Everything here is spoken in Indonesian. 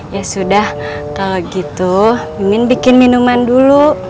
ya sudah kalau gitu min bikin minuman dulu